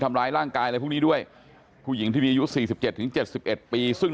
ทำร้ายร่างกายและพวกนี้ด้วยผู้หญิงที่มียุค๔๗๗๑ปีซึ่ง